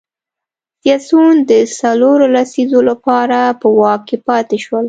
سیاسیون د څلورو لسیزو لپاره په واک کې پاتې شول.